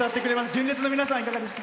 純烈の皆さん、いかがでした？